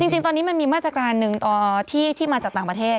จริงตอนนี้มันมีมาตรการหนึ่งที่มาจากต่างประเทศ